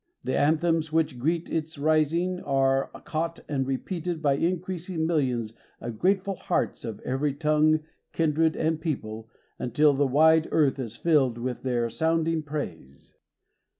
The anthems which greet its rising are caught and repeated by increasing millions of grateful hearts of every tongue, kindred, and people, until the wide earth is filled with their sounding praise.